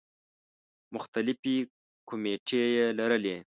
مختلفې کومیټې یې لرلې.